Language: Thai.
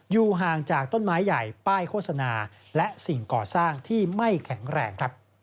อยู่ห่างจากต้นไม้ใหญ่ป้ายโฆษณาและสิ่งก่อสร้างที่ไม่แข็งแรง